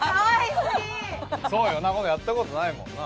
そうよなやったことないもんな